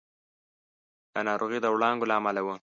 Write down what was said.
دا ناروغي د وړانګو له امله وه.